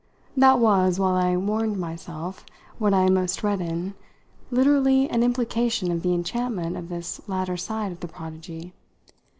That was, while I warned myself, what I most read in literally an implication of the enhancement of this latter side of the prodigy.